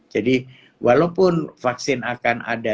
jadi walaupun vaksin akan ada